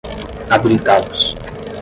habilitados